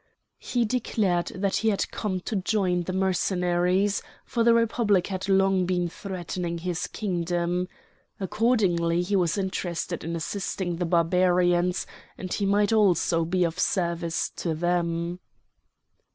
He declared that he had come to join the Mercenaries, for the Republic had long been threatening his kingdom. Accordingly he was interested in assisting the Barbarians, and he might also be of service to them.